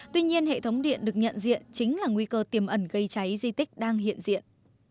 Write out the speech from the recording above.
tuy nhiên hệ thống điện được nhận diện chính là nguy cơ tiềm ẩn gây cháy di tích đang hiện diện